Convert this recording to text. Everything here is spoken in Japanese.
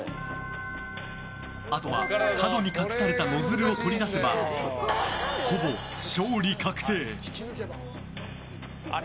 あとは角に隠されたノズルを取り出せばほぼ勝利確定。